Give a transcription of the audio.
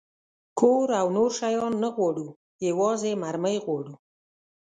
کور او نور شیان نه غواړو، یوازې مرمۍ غواړو.